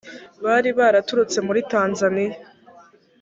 bari baraturutse muri tanzaniya